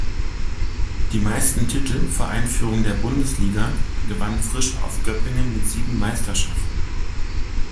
Die meisten Titel vor Einführung der Bundesliga gewann Frisch Auf Göppingen mit sieben Meisterschaften.